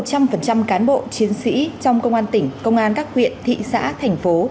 một trăm linh cán bộ chiến sĩ trong công an tỉnh công an các huyện thị xã thành phố